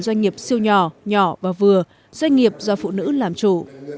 doanh nghiệp siêu nhỏ nhỏ và vừa doanh nghiệp do phụ nữ làm chủ